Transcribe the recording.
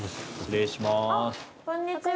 こんにちは。